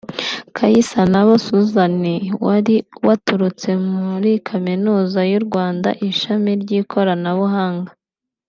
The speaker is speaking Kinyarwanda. Kayisanabo Susan wari waturutse muri Kaminuza y’u Rwanda Ishami ry’Ikoranabuhanga